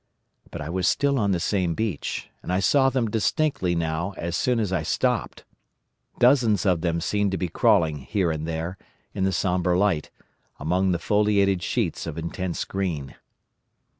But I was still on the same beach, and I saw them distinctly now as soon as I stopped. Dozens of them seemed to be crawling here and there, in the sombre light, among the foliated sheets of intense green.